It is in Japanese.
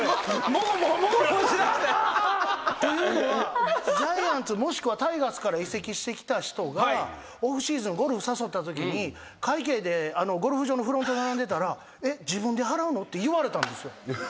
もごもごもごもごしだした！というのはジャイアンツもしくはタイガースから移籍してきた人がオフシーズンゴルフ誘ったときに会計でゴルフ場のフロント並んでたら「えっ？自分で払うの？」って言われたんですよ。